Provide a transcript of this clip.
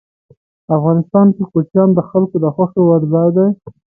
افغانستان کې کوچیان د خلکو د خوښې وړ ځای دی.